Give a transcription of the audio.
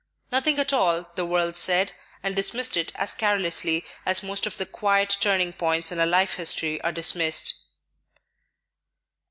"Nothing at all," the world said, and dismissed it as carelessly as most of the quiet turning points in a life history are dismissed.